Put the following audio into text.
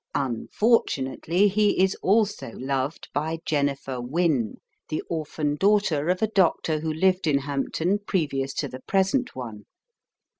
Unfortunately he is also loved by Jennifer Wynne, the orphan daughter of a doctor who lived in Hampton previous to the present one.